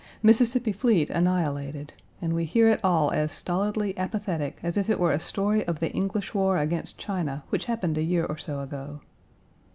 Mississippi fleet annihilated, and we hear it all as stolidly apathetic as if it were a story of the English war against China which happened a year or so ago.